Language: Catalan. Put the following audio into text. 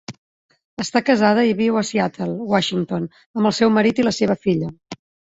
Està casada i viu a Seattle, Washington, amb el seu marit i la seva filla.